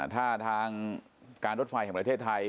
ถ้าทางการรถไฟแห่งประเทศไทย